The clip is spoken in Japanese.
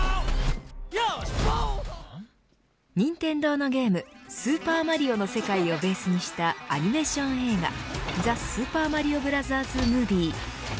任天堂のゲームスーパーマリオの世界をベースにしたアニメーション映画ザ・スーパーマリオブラザーズ・ムービー。